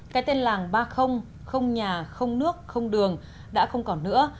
cái tên làng ba không nhà không nước không đường đã không còn nữa